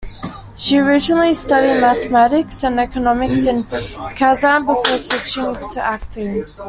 She originally studied mathematics and economics in Kazan before switching to acting.